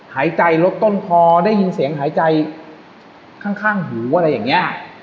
หายใจลดต้นคอได้ยินเสียงหายใจข้างหูอะไรอย่างนี้